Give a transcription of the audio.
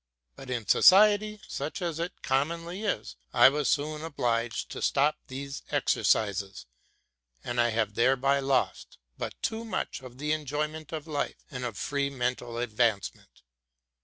But in society, such as it commoiuly is, I was soon obliged to stop these exercises ; and { have thereby lost but too much of the enjoyment of life and of free mental advancement.